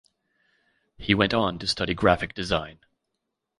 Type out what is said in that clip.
He went on to study graphic design.